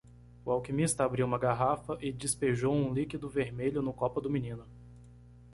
O alquimista abriu uma garrafa e despejou um líquido vermelho no copo do menino.